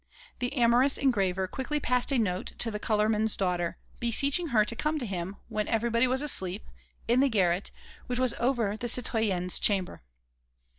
The amorous engraver quickly passed a note to the colourman's daughter, beseeching her to come to him, when everybody was asleep, in the garret, which was over the citoyennes' chamber.